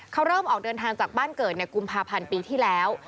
เขาเริ่มออกเดินทางจากบ้านเกิดในกุมภาพันธ์ปีที่แล้ว